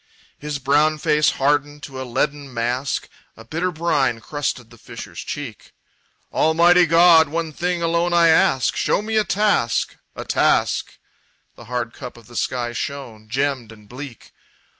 His brown face hardened to a leaden mask. A bitter brine crusted the fisher's cheek "Almighty God, one thing alone I ask, Show me a task, a task!" The hard cup of the sky shone, gemmed and bleak.